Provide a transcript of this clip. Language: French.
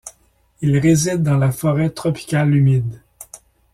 Il réside dans la forêt tropicale humide.